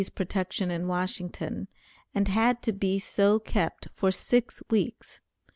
's protection in Washington, and had to be so kept for six weeks.